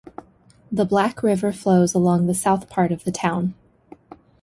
The Black River flows along the south part of the town.